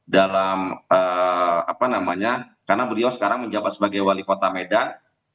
dalam apa namanya karena beliau sekarang menjabat sebagai wali kota medan